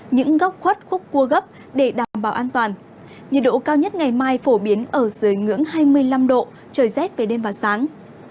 nhiệt độ cao nhất ngày mai phổ biến ở dưới ngưỡng hai mươi năm độ trời rét về đêm và sáng